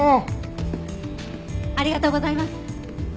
ありがとうございます。